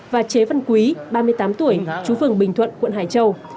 và chế văn quý ba mươi tám tuổi chú phường bình thuận quận hải châu